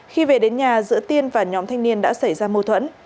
khi về đến nhà giữa tiên và nhóm thanh niên đã xảy ra mâu thuẫn